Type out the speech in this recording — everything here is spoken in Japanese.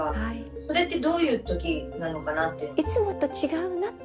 それってどういう時なのかなって。